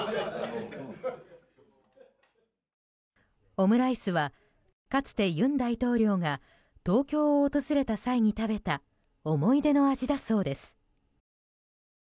オムライスは、かつて尹大統領が東京を訪れた際に食べた思い出の味だそうです。